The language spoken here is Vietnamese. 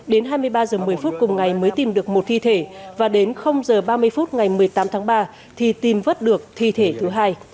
đến hai mươi ba h một mươi phút cùng ngày mới tìm được một thi thể và đến h ba mươi phút ngày một mươi tám tháng ba thì tìm vất được thi thể thứ hai